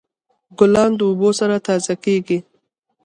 ګلان د اوبو سره تازه کیږي.